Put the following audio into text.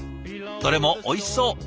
どれもおいしそう。